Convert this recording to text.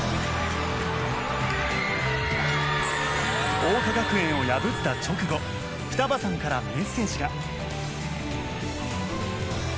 桜花学園を破った直後双葉さんからメッセージが。